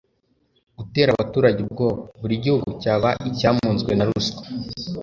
gutera abaturage ubwoba. buri gihugu cyaba icyamunzwe na ruswa